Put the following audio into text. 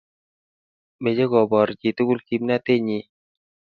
meche koboor chii tugul kimnatenyi